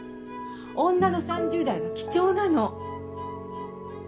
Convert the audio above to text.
女の３０代は貴重なの。